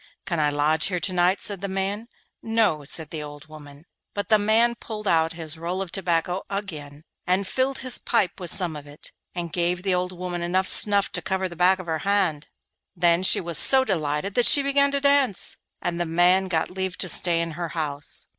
'Can I lodge here to night?' said the man. 'No,' said the old woman. But the man pulled out his roll of tobacco again, and filled his pipe with some of it, and gave the old woman enough snuff to cover the back of her hand. Then she was so delighted that she began to dance, and the man got leave to stay in her house.